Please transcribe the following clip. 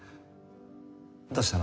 どうしたの？